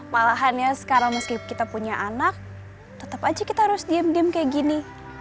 malahannya sekarang meskipun kita punya anak tetap aja kita harus diem diem kayak gini